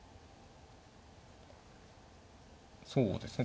そうですね